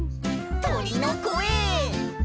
「とりのこえ」